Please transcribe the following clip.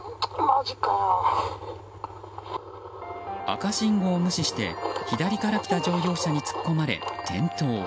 赤信号を無視して左から来た乗用車に突っ込まれ、転倒。